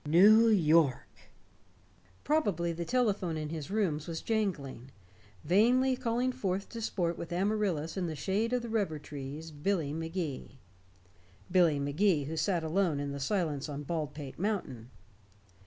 New York! Probably the telephone in his rooms was jangling, vainly calling forth to sport with Amaryllis in the shade of the rubber trees Billy Magee Billy Magee who sat alone in the silence on Baldpate Mountain.